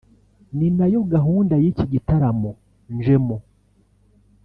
ni nayo gahunda y’iki gitaramo njemo